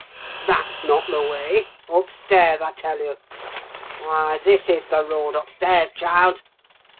That's not the way: upstairs, I tell you! Why, this is the road upstairs, child!"